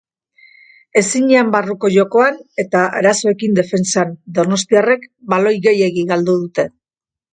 Ezinean barruko jokoan eta arazoekin defentsan, donostiarrek baloi gehiegi galdu dute.